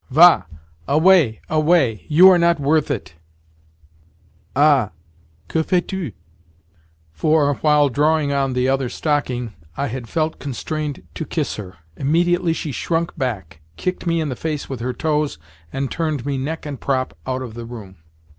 Va! Away, away! You are not worth it.—Ah, que fais tu?" For, while drawing on the other stocking, I had felt constrained to kiss her. Immediately she shrunk back, kicked me in the face with her toes, and turned me neck and crop out of the room.